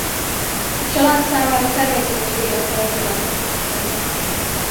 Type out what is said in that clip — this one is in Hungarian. A család számára természetes életteret jelentettek a könyvek.